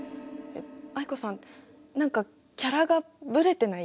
藍子さん何かキャラがぶれてない？